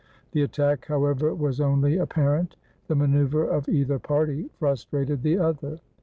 The attack, however, was only apparent: the maneu ver of either party frustrated the other.